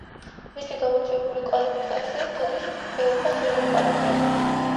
მისი გამარჯვებული კვალიფიკაციას გადის უეფა-ს ევროპა ლიგაზე.